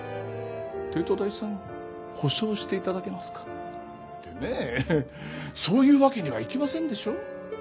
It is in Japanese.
帝都大さん補償していただけますかってねぇそういうわけにはいきませんでしょう？